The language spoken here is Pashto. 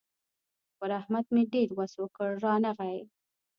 پر احمد مې ډېر وس وکړ؛ رانغی.